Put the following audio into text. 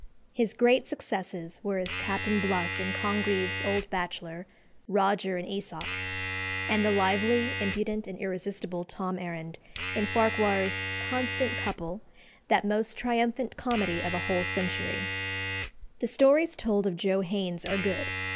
His great successes were as Captain Bluff in Congreve's "Old Bachelor," Roger in "Æsop," and "the lively, impudent, and irresistible Tom Errand" in Farquhar's "Constant Couple," "that most triumphant comedy of a whole century." The stories told of Joe Haines are good.